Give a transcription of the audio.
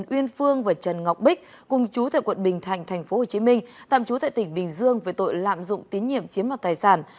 trần uyên phương và trần ngọc bích cùng chú tại quận bình thành tp hcm tạm chú tại tỉnh bình dương với tội lạm dụng tín nhiệm chiếm mặt tài sản